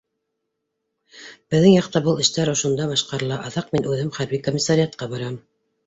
Беҙҙең яҡта был эштәр ошонда башҡарыла, аҙаҡ мин үҙем хәрби комиссариатҡа барам